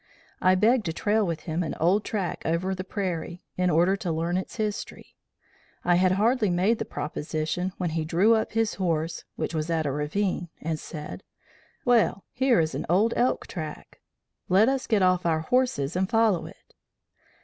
I begged to trail with him an old track over the prairie, in order to learn its history. I had hardly made the proposition, when he drew up his horse, which was at a ravine, and said, 'Well, here is an old elk track. Let us get off our horses and follow it.'